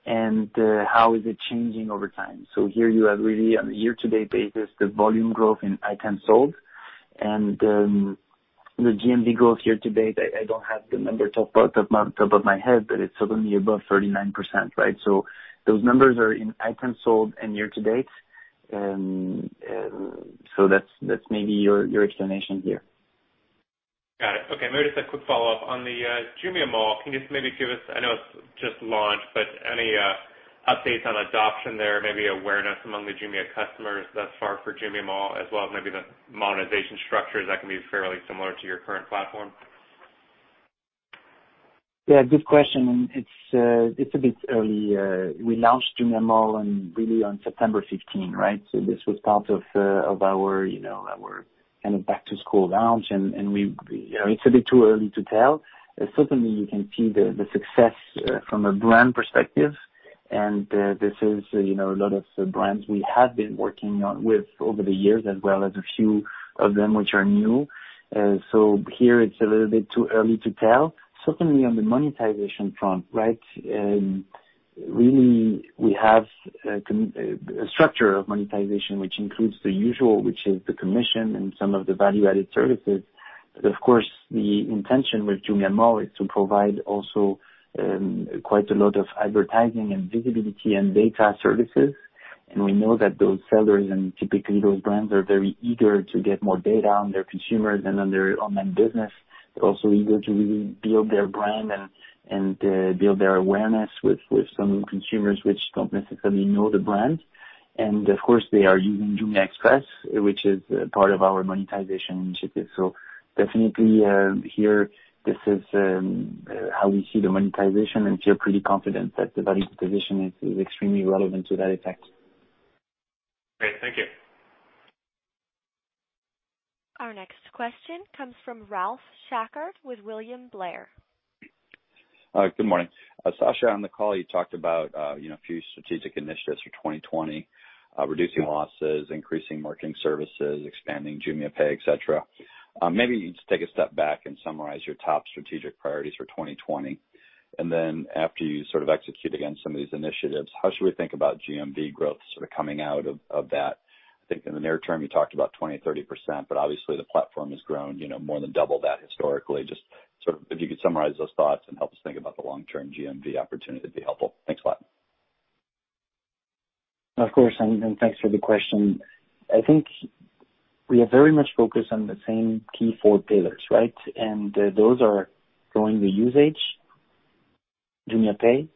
and how is it changing over time. Here you have really on a year-to-date basis, the volume growth in items sold and the GMV growth year-to-date, I don't have the number top of my head, but it's certainly above 39%, right? Those numbers are in items sold and year-to-date. That's maybe your explanation here. Got it. Okay. Maybe just a quick follow-up. On the Jumia Mall, can you just maybe give us, I know it's just launched, but any updates on adoption there, maybe awareness among the Jumia customers thus far for Jumia Mall as well as maybe the monetization structures that can be fairly similar to your current platform? Yeah, good question. It's a bit early. We launched Jumia Mall really on September 15, right? This was part of our back-to-school launch, and it's a bit too early to tell. Certainly, you can see the success from a brand perspective. This is a lot of brands we have been working with over the years, as well as a few of them which are new. Here, it's a little bit too early to tell. Certainly, on the monetization front, right? Really, we have a structure of monetization, which includes the usual, which is the commission and some of the value-added services. Of course, the intention with Jumia Mall is to provide also quite a lot of advertising and visibility and data services. We know that those sellers, and typically those brands, are very eager to get more data on their consumers and on their online business. They're also eager to really build their brand and build their awareness with some consumers which don't necessarily know the brand. Of course, they are using Jumia Express, which is part of our monetization initiative. Definitely, here, this is how we see the monetization, and feel pretty confident that the value position is extremely relevant to that effect. Great. Thank you. Our next question comes from Ralph Schackart with William Blair. Good morning. Sacha, on the call, you talked about a few strategic initiatives for 2020. Reducing losses, increasing marketing services, expanding JumiaPay, et cetera. Maybe you just take a step back and summarize your top strategic priorities for 2020. After you sort of execute against some of these initiatives, how should we think about GMV growth sort of coming out of that? I think in the near term, you talked about 20%, 30%, but obviously the platform has grown more than double that historically. Just sort of if you could summarize those thoughts and help us think about the long-term GMV opportunity, it'd be helpful. Thanks a lot. Of course, thanks for the question. I think we are very much focused on the same key four pillars, right? Those are growing the usage, JumiaPay,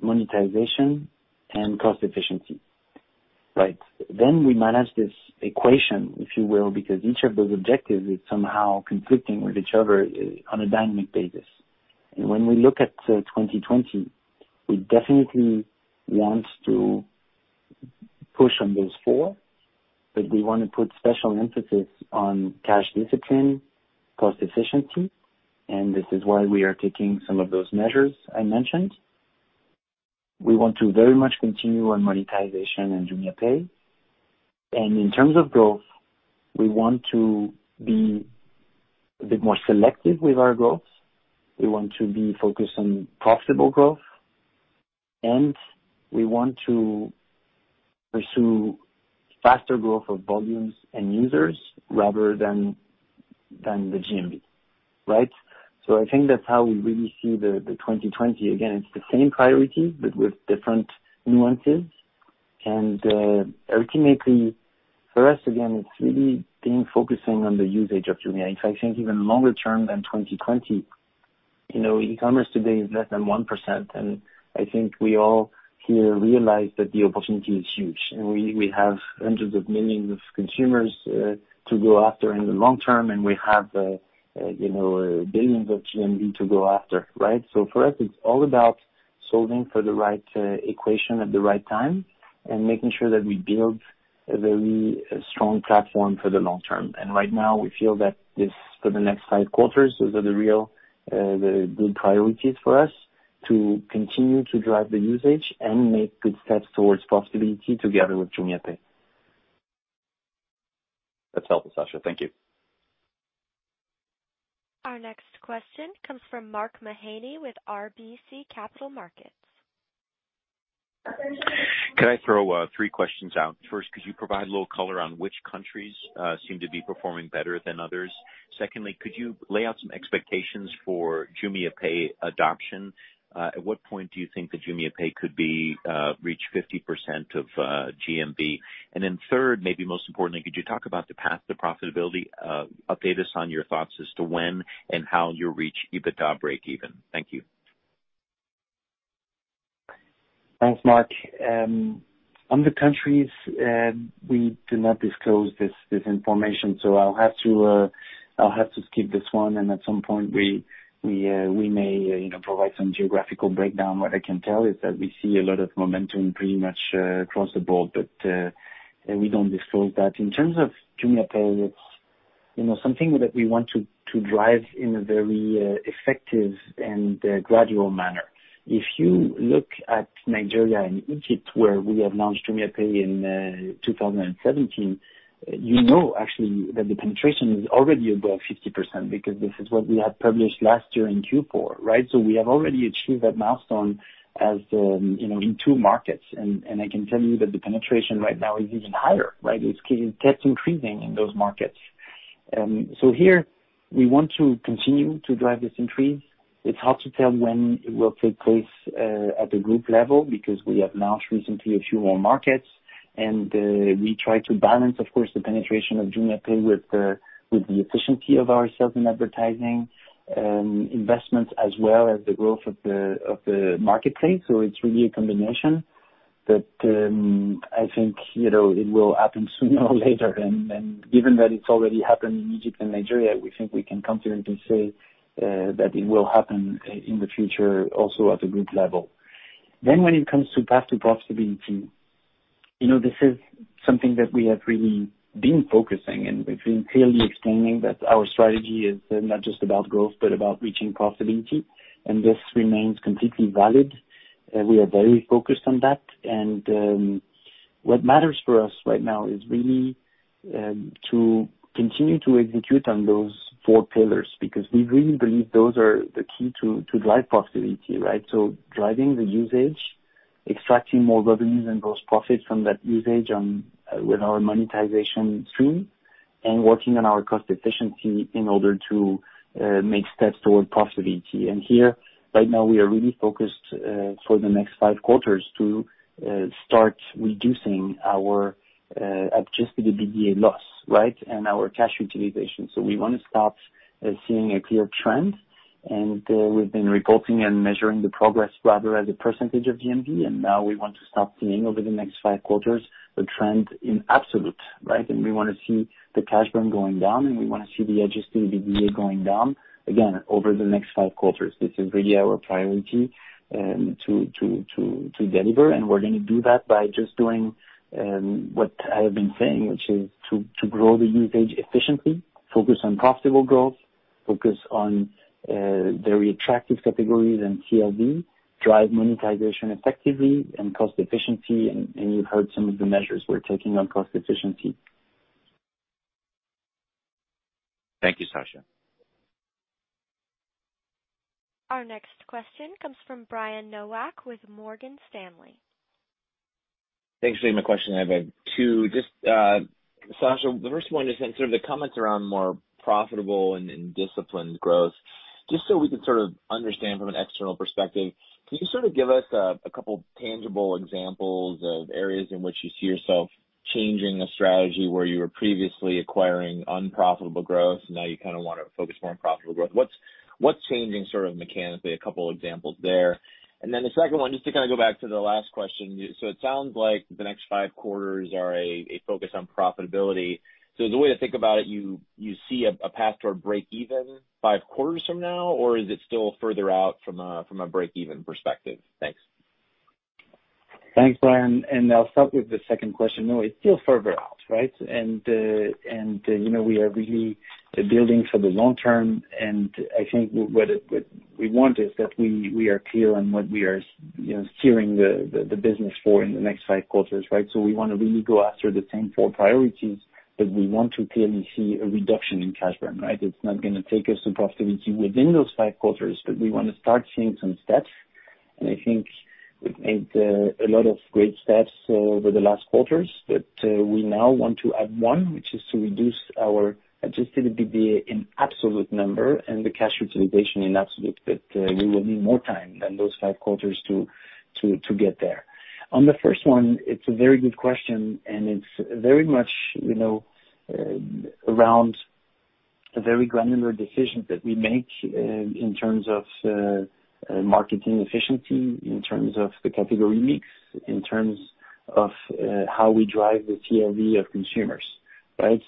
monetization, and cost efficiency. Right. We manage this equation, if you will, because each of those objectives is somehow conflicting with each other on a dynamic basis. When we look at 2020, we definitely want to push on those four, but we want to put special emphasis on cash discipline, cost efficiency, and this is why we are taking some of those measures I mentioned. We want to very much continue on monetization and JumiaPay. In terms of growth, we want to be a bit more selective with our growth. We want to be focused on profitable growth, and we want to pursue faster growth of volumes and users rather than the GMV, right? I think that's how we really see the 2020. Again, it's the same priority, but with different nuances. Ultimately, for us, again, it's really being focusing on the usage of Jumia. In fact, I think even longer term than 2020. E-commerce today is less than 1%, and I think we all here realize that the opportunity is huge. We have hundreds of millions of consumers to go after in the long term, and we have billions of GMV to go after, right? For us, it's all about solving for the right equation at the right time and making sure that we build a very strong platform for the long term. Right now, we feel that this, for the next five quarters, those are the real good priorities for us to continue to drive the usage and make good steps towards profitability together with JumiaPay. That's helpful, Sacha. Thank you. Our next question comes from Mark Mahaney with RBC Capital Markets. Can I throw three questions out? First, could you provide a little color on which countries seem to be performing better than others? Secondly, could you lay out some expectations for JumiaPay adoption? At what point do you think that JumiaPay could reach 50% of GMV? Then third, maybe most importantly, could you talk about the path to profitability? Update us on your thoughts as to when and how you'll reach EBITDA breakeven. Thank you. Thanks, Mark. On the countries, we do not disclose this information, so I'll have to skip this one, and at some point we may provide some geographical breakdown. What I can tell is that we see a lot of momentum pretty much across the board, but we don't disclose that. In terms of JumiaPay, it's something that we want to drive in a very effective and gradual manner. If you look at Nigeria and Egypt, where we have launched JumiaPay in 2017, you know actually that the penetration is already above 50% because this is what we had published last year in Q4, right? We have already achieved that milestone in two markets. I can tell you that the penetration right now is even higher, right? It's kept increasing in those markets. Here, we want to continue to drive this increase. It's hard to tell when it will take place at the group level, because we have launched recently a few more markets, and we try to balance, of course, the penetration of JumiaPay with the efficiency of our sales and advertising investments, as well as the growth of the marketplace. It's really a combination. I think it will happen sooner or later. Given that it's already happened in Egypt and Nigeria, we think we can confidently say that it will happen in the future also at the group level. When it comes to path to profitability, this is something that we have really been focusing on, and we've been clearly explaining that our strategy is not just about growth, but about reaching profitability, and this remains completely valid. We are very focused on that. What matters for us right now is really to continue to execute on those four pillars, because we really believe those are the key to drive profitability. Right? Driving the usage, extracting more revenues and gross profits from that usage with our monetization tool, and working on our cost efficiency in order to make steps toward profitability. Here, right now, we are really focused for the next five quarters to start reducing our adjusted EBITDA loss, right? Our cash utilization. We want to start seeing a clear trend, and we've been reporting and measuring the progress rather as a percentage of GMV, and now we want to start seeing over the next five quarters the trend in absolute. Right? We want to see the cash burn going down, and we want to see the adjusted EBITDA going down, again, over the next five quarters. This is really our priority to deliver, and we're going to do that by just doing what I have been saying, which is to grow the usage efficiently, focus on profitable growth, focus on very attractive categories and CLV, drive monetization effectively and cost efficiency, and you've heard some of the measures we're taking on cost efficiency. Thank you, Sacha. Our next question comes from Brian Nowak with Morgan Stanley. Thanks for taking my question. I have two. Sacha, the first one is on sort of the comments around more profitable and disciplined growth. Just so we can sort of understand from an external perspective, can you sort of give us a couple tangible examples of areas in which you see yourself changing a strategy where you were previously acquiring unprofitable growth, now you kind of want to focus more on profitable growth. What's changing sort of mechanically? A couple examples there. The second one, just to kind of go back to the last question. It sounds like the next five quarters are a focus on profitability. The way to think about it, you see a path to a break even five quarters from now? Is it still further out from a break-even perspective? Thanks. Thanks, Brian. I'll start with the second question. No, it's still further out. Right? We are really building for the long term, and I think what we want is that we are clear on what we are steering the business for in the next five quarters. Right? We want to really go after the same four priorities, but we want to clearly see a reduction in cash burn. Right? It's not going to take us to profitability within those five quarters. We want to start seeing some steps, and I think we've made a lot of great steps over the last quarters, but we now want to add one, which is to reduce our adjusted EBITDA in absolute number, and the cash utilization in absolute, but we will need more time than those five quarters to get there. On the first one, it's a very good question, and it's very much around very granular decisions that we make in terms of marketing efficiency, in terms of the category mix, in terms of how we drive the CLV of consumers. Right?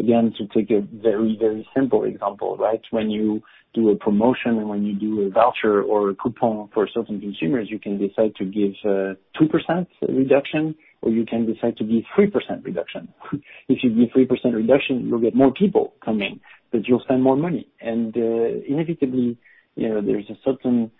Again, to take a very, very simple example. When you do a promotion and when you do a voucher or a coupon for certain consumers, you can decide to give 2% reduction, or you can decide to give 3% reduction. If you give 3% reduction, you'll get more people coming, but you'll spend more money. Inevitably, there's a certain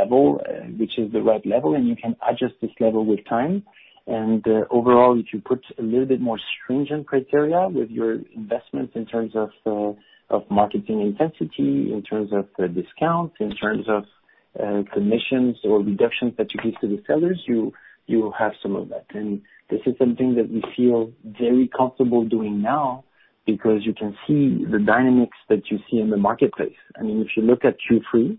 level which is the right level, and you can adjust this level with time. Overall, if you put a little bit more stringent criteria with your investments in terms of marketing intensity, in terms of discounts, in terms of commissions or reductions that you give to the sellers, you will have some of that. This is something that we feel very comfortable doing now because you can see the dynamics that you see in the marketplace. If you look at Q3,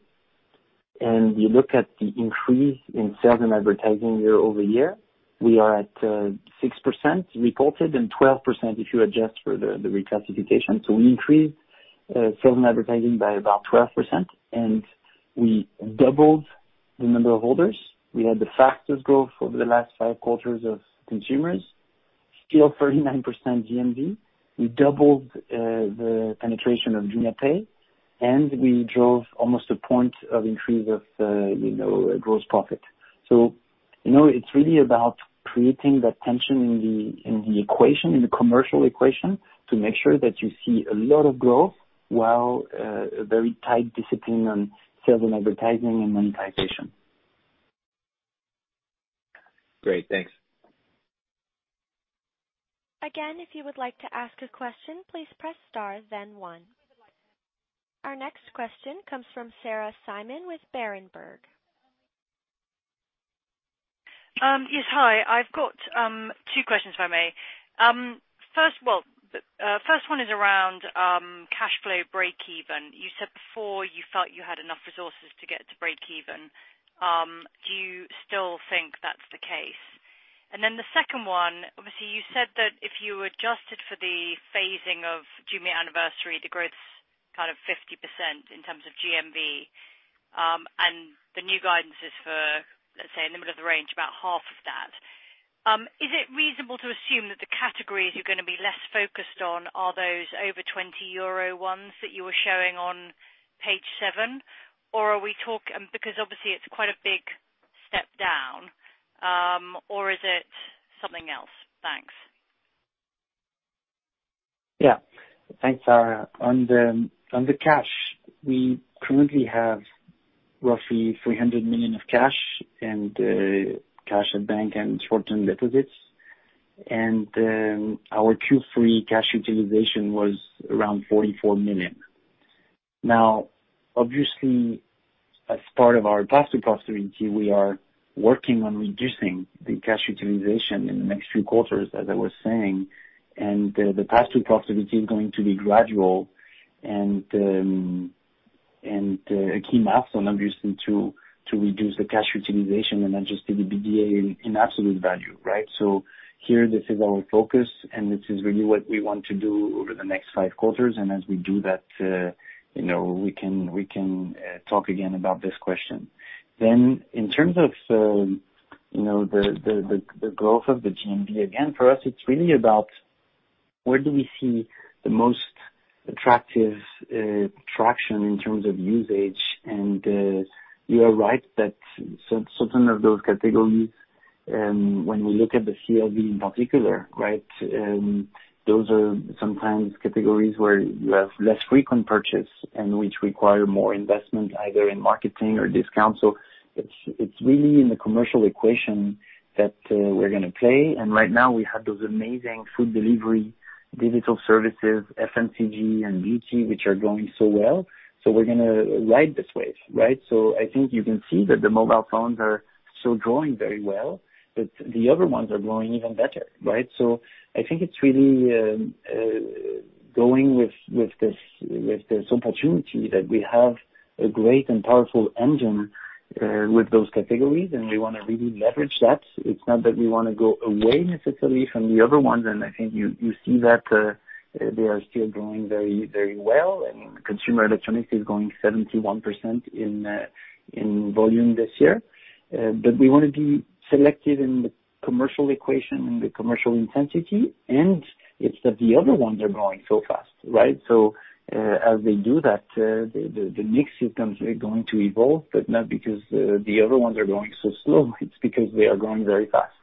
and you look at the increase in sales and advertising year-over-year, we are at 6% reported and 12% if you adjust for the reclassification. We increased sales and advertising by about 12%, and we doubled the number of orders. We had the fastest growth over the last five quarters of consumers, still 39% GMV. We doubled the penetration of JumiaPay, and we drove almost a point of increase of gross profit. It's really about creating that tension in the commercial equation to make sure that you see a lot of growth while a very tight discipline on sales and advertising and monetization. Great. Thanks. Again, if you would like to ask a question, please press star then one. Our next question comes from Sarah Simon with Berenberg. Yes, hi. I've got two questions, if I may. First one is around cash flow breakeven. You said before you felt you had enough resources to get to breakeven. Do you still think that's the case? Then the second one, obviously, you said that if you adjusted for the phasing of Jumia Anniversary, the growth's 50% in terms of GMV, and the new guidance is for, let's say, in the middle of the range, about half of that. Is it reasonable to assume that the categories you're going to be less focused on are those over 20 euro that you were showing on page seven? Because obviously it's quite a big step down. Or is it something else? Thanks. Yeah. Thanks, Sarah. On the cash, we currently have roughly 300 million of cash in bank and short-term deposits. Our Q3 cash utilization was around 44 million. Obviously, as part of our path to profitability, we are working on reducing the cash utilization in the next few quarters, as I was saying. The path to profitability is going to be gradual, and a key milestone, obviously, to reduce the cash utilization and adjusted EBITDA in absolute value. Right. Here, this is our focus, and this is really what we want to do over the next five quarters. As we do that, we can talk again about this question. In terms of the growth of the GMV, again, for us, it's really about where do we see the most attractive traction in terms of usage. You are right that certain of those categories, when we look at the CLV in particular, those are sometimes categories where you have less frequent purchase and which require more investment either in marketing or discount. It's really in the commercial equation that we're going to play. Right now we have those amazing food delivery, digital services, FMCG, and beauty, which are going so well. We're going to ride this wave. Right? I think you can see that the mobile phones are still growing very well, but the other ones are growing even better. Right? I think it's really going with this opportunity that we have a great and powerful engine with those categories, and we want to really leverage that. It's not that we want to go away necessarily from the other ones. I think you see that they are still growing very well. I mean, consumer electronics is growing 71% in volume this year. We want to be selective in the commercial equation and the commercial intensity. It's that the other ones are growing so fast. Right? As they do that, the mix you're going to evolve, not because the other ones are growing so slow. It's because they are growing very fast.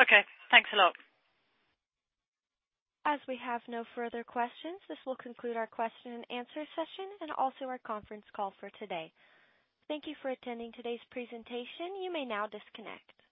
Okay. Thanks a lot. As we have no further questions, this will conclude our question and answer session and also our conference call for today. Thank you for attending today's presentation. You may now disconnect.